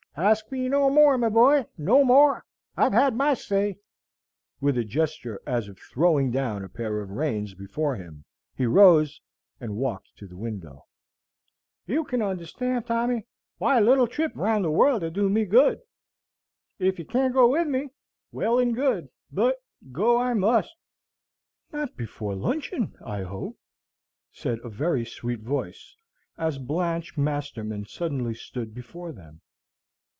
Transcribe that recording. "Ask me no more, my boy, no more. I've said my say." With a gesture as of throwing down a pair of reins before him, he rose, and walked to the window. "You kin understand, Tommy, why a little trip around the world 'ud do me good. Ef you can't go with me, well and good. But go I must." "Not before luncheon, I hope," said a very sweet voice, as Blanche Masterman suddenly stood before them.